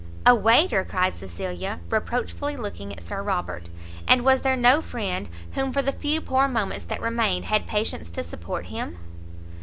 "A waiter!" cried Cecilia, reproachfully looking at Sir Robert, "and was there no friend who for the few poor moments that remained had patience to support him?"